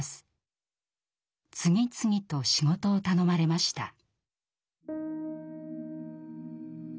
次々と仕事を頼まれました。